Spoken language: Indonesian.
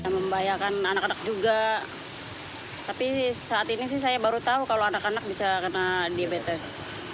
membahayakan anak anak juga tapi saat ini sih saya baru tahu kalau anak anak bisa kena diabetes